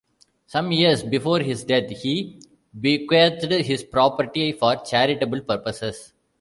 Some years before his death he bequeathed his property for charitable purposes.